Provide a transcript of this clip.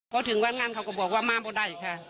พอถึงวันนั้นเขาก็บอกว่ามาไม่ได้ค่ะ